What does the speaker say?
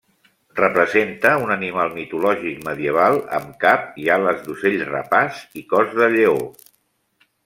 Representa un animal mitològic medieval amb cap i ales d’ocell rapaç i cos de lleó.